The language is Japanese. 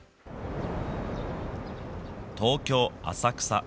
東京・浅草。